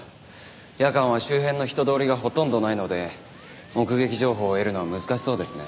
夜間は周辺の人通りがほとんどないので目撃情報を得るのは難しそうですね。